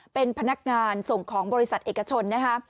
เป็นพนักงานส่งของบริษัทเอกชนนะคะ